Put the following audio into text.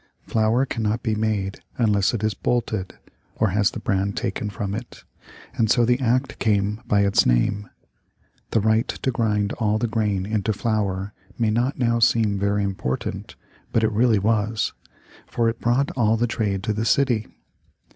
Flour cannot be made unless it is "bolted" or has the bran taken from it and so the act came by its name. The right to grind all the grain into flour may not now seem very important, but it really was, for it brought all the trade to the city.